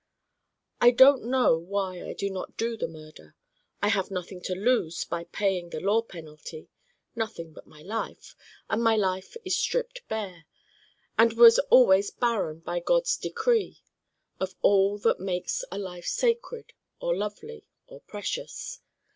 I don't know why I do not do the Murder. I have nothing to lose by paying the law penalty: nothing but my life, and my life is stripped bare and was always barren by God's decree of all that makes a life sacred or lovely or precious.